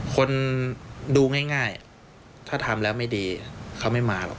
คนดูง่ายถ้าทำแล้วไม่ดีเขาไม่มาหรอก